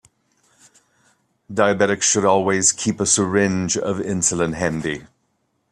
Diabetics should always keep a syringe of insulin handy.